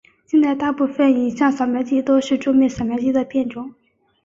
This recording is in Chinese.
现在大部份影像扫描机都是桌面扫描机的变种。